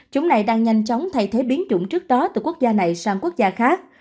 chúng này đang nhanh chóng thay thế biến chủng trước đó từ quốc gia này sang quốc gia khác